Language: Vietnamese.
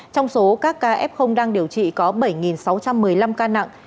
trong số các ca f đang điều trị có bảy sáu trăm một mươi năm ca nặng